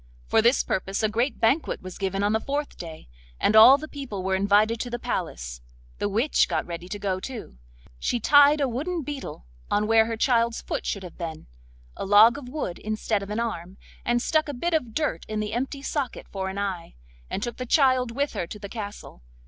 For this purpose a great banquet was given on the fourth day, and all the people were invited to the palace. The witch got ready to go too. She tied a wooden beetle on where her child's foot should have been, a log of wood instead of an arm, and stuck a bit of dirt in the empty socket for an eye, and took the child with her to the castle.